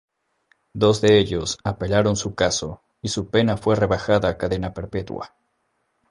Dos de ellos apelaron su caso y su pena fue rebajada a cadena perpetua.